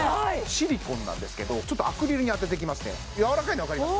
シリコンなんですけどアクリルに当てていきますねやわらかいのわかります？